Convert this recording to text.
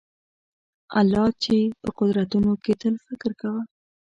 د الله چي په قدرتونو کي تل فکر کوه